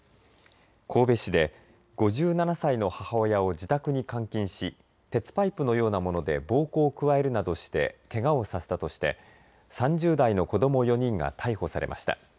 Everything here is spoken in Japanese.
神戸市で５７歳の母親を自宅に監禁し鉄パイプのようなもので暴行を加えるなどしてけがをさせたとして３０代の子ども４人が逮捕されました。